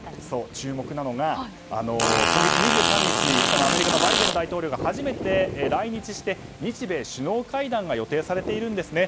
注目なのが、今月２３日アメリカのバイデン大統領が初めて来日して日米首脳会談が予定されているんですね。